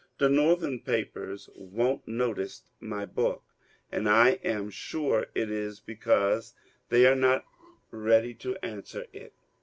The Northern papers won't notice my book, and I am sure it is because they are not ready to answer it.